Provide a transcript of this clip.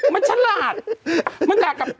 มันฉลาดมันด่ากับ